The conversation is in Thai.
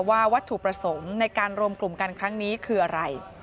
วัตถุประสงค์ในการรวมกลุ่มกันครั้งนี้คืออะไร